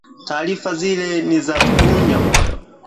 Taarifa zile ni za kuvunja moyo